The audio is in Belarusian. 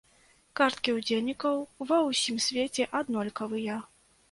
Карткі удзельнікаў ва ўсім свеце аднолькавыя.